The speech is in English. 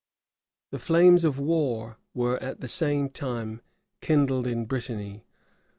[*] The flames of war were at the same time kindled in Brittany.